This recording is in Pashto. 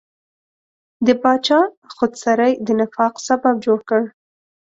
د پاچا خودسرۍ د نفاق سبب جوړ کړ.